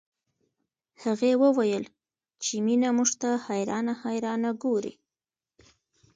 هغې وويل چې مينه موږ ته حيرانه حيرانه ګوري